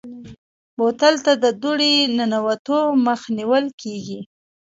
بوتل ته د دوړې ننوتو مخه نیول کېږي.